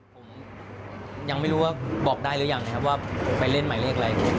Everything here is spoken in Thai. ผมยังไม่รู้ว่าบอกได้หรือยังนะครับว่าไปเล่นหมายเลขอะไร